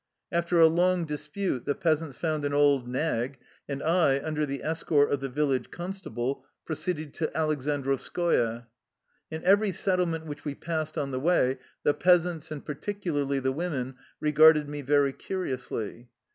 After a long dispute the peasants found an old nag, and I, under the escort of the village constable, proceeded to Aleksandrovskoye. In every settlement which we passed on the way the peasants, and particularly the women, re garded me very curiously.